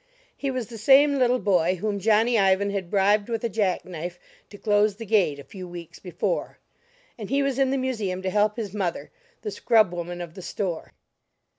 He was the same little boy whom Johnny Ivan had bribed with a jack knife to close the gate a few weeks before; and he was in the Museum to help his mother, the scrub woman of the store.